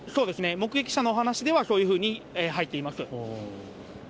目撃者のお話ではそういうふうに入っています。